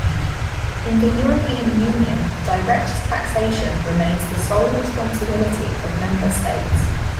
In the European Union direct taxation remains the sole responsibility of member states.